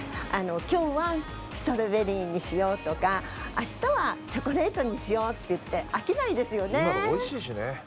今日はストロベリーにしようとか明日はチョコレートにしようっていって飽きないですよね